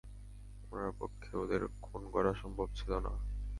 উনার পক্ষে ওদের খুন করা সম্ভব ছিল না!